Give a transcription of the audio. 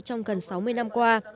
trong gần sáu mươi năm qua